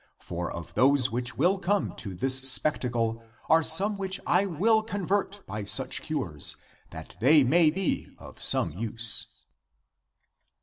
For of those which will come to this spectacle are some which I will convert by such cures, that they may be of some use.'